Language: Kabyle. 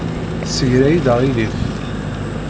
Tessegra-yi-d aɣilif.